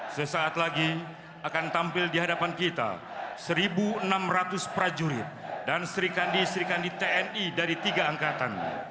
sesaat lagi akan tampil di hadapan kita satu enam ratus prajurit dan serikandi serikandi tni dari tiga angkatan